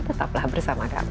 tetaplah bersama kami